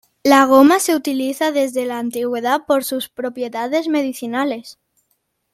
La goma se utiliza desde la antigüedad por sus propiedades medicinales.